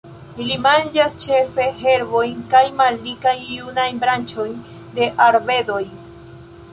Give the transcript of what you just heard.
Ili manĝas ĉefe herbojn kaj maldikajn junajn branĉojn de arbedoj.